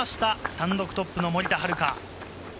単独トップの森田遥。